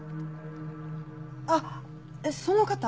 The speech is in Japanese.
あっその方。